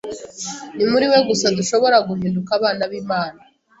Ni muri we gusa dushobora guhinduka abana b’Imana